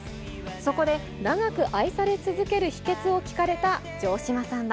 そこで、長く愛され続ける秘けつを聞かれた城島さんは。